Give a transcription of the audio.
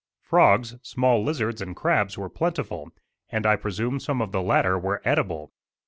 Frogs, small lizards and crabs were plentiful, and I presume some of the latter were edible.